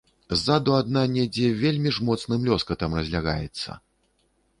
Ззаду адна недзе вельмі ж моцным лёскатам разлягаецца.